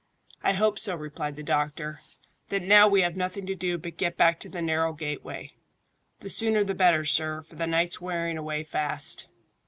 "I hope so," replied the doctor. "Then now we have nothing to do but get back to the narrow gateway." "The sooner the better, sir, for the night's wearing away fast."